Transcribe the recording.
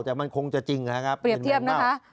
แต่มันคงจะจริงนะครับเปรียบเทียบนะคะ